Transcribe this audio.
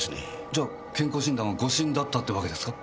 じゃ健康診断は誤診だったってわけですか？